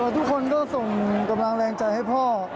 ทุกคนก็ส่งกำลังแรงใจให้พ่อ